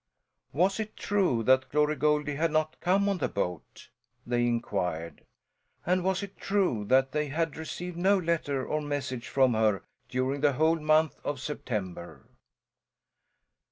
Was it true that Glory Goldie had not come on the boat? They inquired. And was it true that they had received no letter or message from her during the whole month of September?